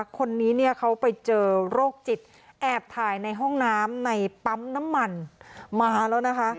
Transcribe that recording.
คนนี้เนี่ยเขาไปเจอโรคจิตแอบถ่ายในห้องน้ำในปั๊มน้ำมันมาแล้วนะคะ